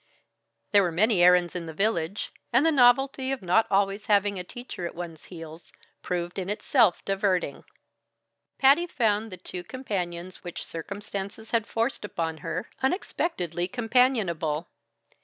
There were many errands in the village, and the novelty of not always having a teacher at one's heels, proved in itself diverting. Patty found the two companions which circumstances had forced upon her unexpectedly companionable.